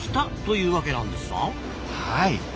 はい。